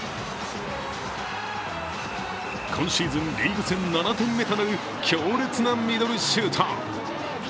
今シーズン、リーグ戦７点目となる強烈なミドルシュート。